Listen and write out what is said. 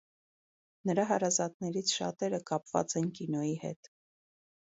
Նրա հարազատներից շատերը կապված են կինոյի հետ։